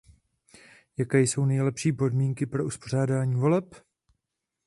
Jaké jsou nejlepší podmínky pro uspořádání voleb?